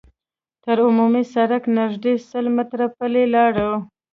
تر عمومي سړکه نږدې سل متره پلي لاړو.